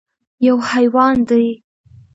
_يو حيوان دی.